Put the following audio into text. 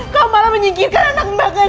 kamu malah menyingkirkan anak mbak kan